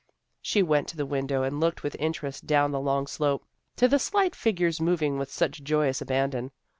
She went to the window and looked with interest down the long slope, to the slight figures moving with such joyous abandon.